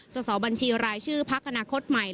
สาวบัญชีรายชื่อพระคณะคตใหม่